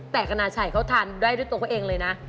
แต่คณะชัยเขาทานได้ด้วยตัวเขาเองเลยนะ